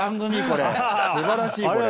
すばらしいこれ。